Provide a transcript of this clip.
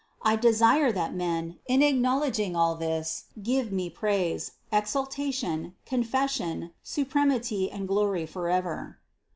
I desire that men, in acknowledging all this, give Me praise, exaltation, confession, supremity and glory forever."